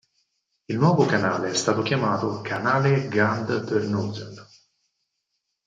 Il nuovo canale è stato chiamato Canale Gand-Terneuzen.